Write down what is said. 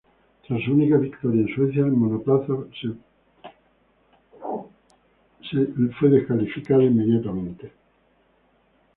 Tras su única victoria en Suecia, el monoplaza fue inmediatamente descalificado.